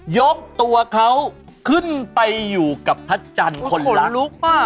ยกตัวเขาขึ้นไปอยู่กับพระจันทร์คนละลุกป่ะ